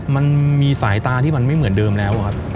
มันมีสายตาที่มันไม่เหมือนเดิมแล้วครับ